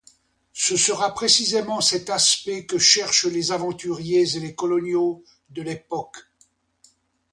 Ce sera précisément cet aspect que cherchent les aventuriers et les coloniaux de l’époque.